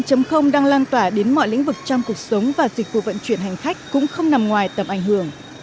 cuộc cách mạng bốn đang lan tỏa đến mọi lĩnh vực trong cuộc sống và dịch vụ vận chuyển hành khách cũng không nằm ngoài tầm ảnh hưởng